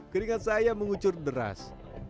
keringat saya mengucur beras